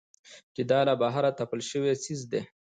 چې دا له بهره تپل شوى څيز دى.